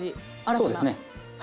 そうですねはい。